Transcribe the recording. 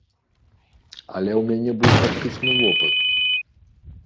Але ў мяне быў практычны вопыт!